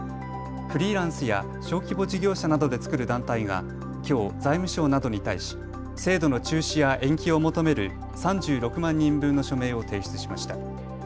フリーランスや小規模事業者などで作る団体がきょう財務省などに対し制度の中止や延期を求める３６万人分の署名を提出しました。